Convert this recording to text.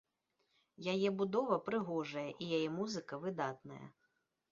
Яе будова прыгожая і яе музыка выдатная.